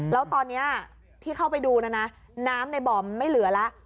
แล้วตอนนี้ที่เข้าไปดูนะนะน้ำในบ่อมันไม่เหลือแล้ว